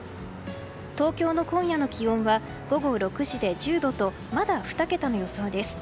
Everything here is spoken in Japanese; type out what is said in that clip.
東京の今夜の気温は午後６時で１０度とまだ２桁の予想です。